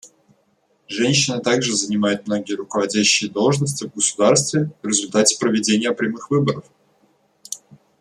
Женщины также занимают многие руководящие должности в государстве в результате проведения прямых выборов.